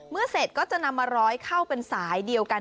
เสร็จก็จะนำมาร้อยเข้าเป็นสายเดียวกัน